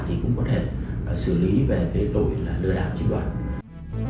thì cũng có thể xử lý về cái tội là lừa đảo chính đoàn